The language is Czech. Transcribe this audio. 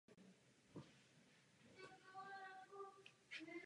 Bylo zde zřízeno velitelství a výcviková centra.